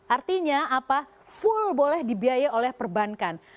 artinya apa full boleh dibiaya oleh perbankan